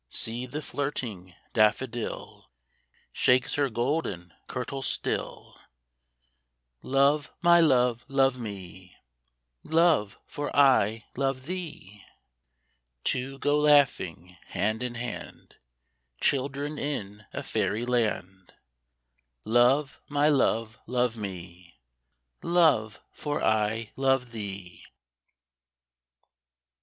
See the flirting daffodil Shakes her golden kirtle still :" Love, my love, love me, Love, for I love thee !" Two go laughing hand in hand, Children in a faery land :" Love, my love, love me, Love, for I love thee